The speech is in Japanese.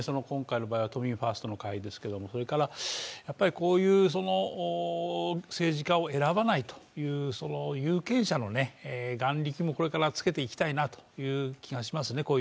今回の場合は都民ファーストの会ですけれども、それから、こういう政治家を選ばないという有権者の眼力もこれからつけていきたいなという気がしますね。